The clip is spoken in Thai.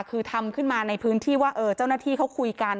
คือทำขึ้นมาในพื้นที่ว่าเจ้าหน้าที่เขาคุยกัน